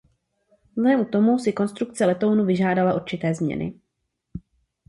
Vzhledem k tomu si konstrukce letounu vyžádala určité změny.